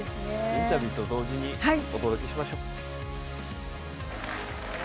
インタビューと同時にお届けしましょう。